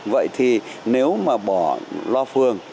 vậy thì nếu mà bỏ loa phưởng